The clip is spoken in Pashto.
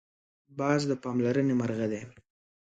باز د پاملرنې مرغه دی